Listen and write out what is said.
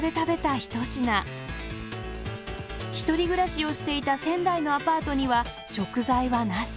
１人暮らしをしていた仙台のアパートには食材はなし。